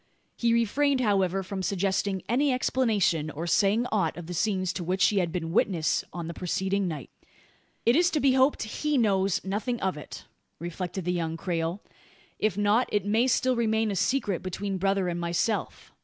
He refrained, however, from suggesting any explanation, or saying aught of the scenes to which he had been witness on the preceding night. "It is to be hoped he knows nothing of it," reflected the young Creole. "If not, it may still remain a secret between brother and myself.